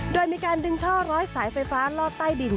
โดยมีการดึงท่อร้อยสายไฟฟ้าลอดใต้ดิน